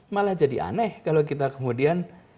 malah jadi aneh kalau kita kemudian